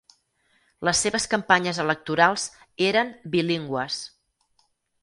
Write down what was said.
Les seves campanyes electorals eren bilingües.